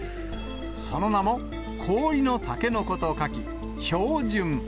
その名も氷のタケノコと書き、氷筍。